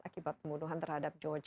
akibat pembunuhan terhadap george